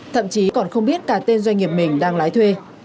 thậm chí còn không biết cả tên doanh nghiệp mình đang lái thuê